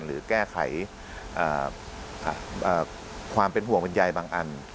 หรือแก้ไขความเป็นห่วงบรรยายบางอัน